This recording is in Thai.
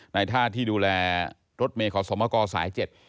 ท่าที่ดูแลรถเมย์ขอสมกสายเจ็ด